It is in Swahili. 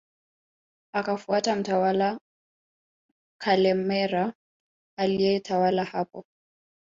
Akafuata mtawala Kalemera aliyetawala hapo